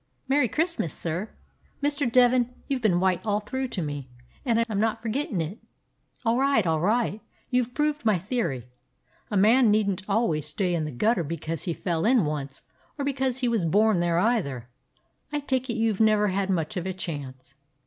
"Merry Christmas, sir. Mr. Devin, you 've been white all through to me, and I 'm not f or gettin' it." "All right, all right. You 've proved my theory. A man needn't always stay in the gutter because he fell in once, or because he was born there either. I take it you never had much of a chance."